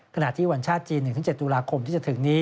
ขณะที่วันชาติจีน๑๗ตุลาคมที่จะถึงนี้